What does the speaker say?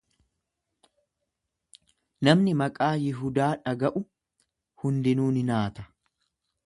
Namni maqaa Yihudaa dhaga'u hundinuu ni naata.